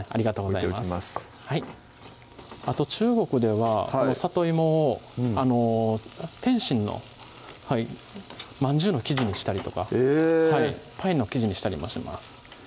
はいあと中国ではさといもを点心のまんじゅうの生地にしたりとかえぇパイの生地にしたりもします